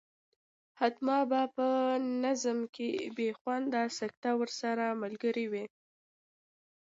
حتما به په نظم کې بې خونده سکته ورسره ملګرې وي.